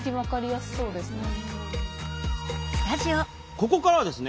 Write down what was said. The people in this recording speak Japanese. ここからはですね